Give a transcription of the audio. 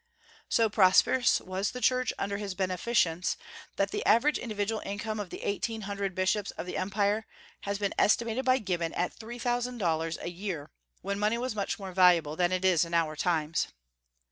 So prosperous was the Church under his beneficence, that the average individual income of the eighteen hundred bishops of the Empire has been estimated by Gibbon at three thousand dollars a year, when money was much more valuable than it is in our times.